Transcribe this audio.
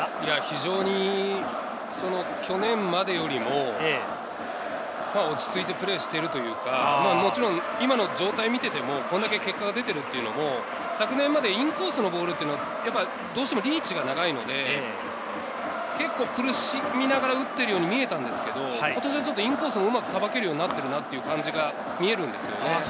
非常に去年までよりも落ち着いてプレーしているというか、もちろん、今の状態を見ていても、これだけ結果が出ているというのも、昨年までインコースのボールというのはどうしてもリーチが長いので、結構苦しみながら打っているように見えたんですけど、今年はインコースもうまくさばけるようになっているなという感じが見えるんですよね。